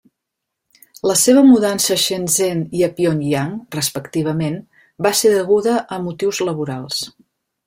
La seva mudança a Shenzhen i a Pyongyang, respectivament, va ser deguda a motius laborals.